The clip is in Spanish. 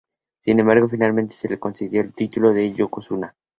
Sin embargo, finalmente se le concedió el título de "yokozuna".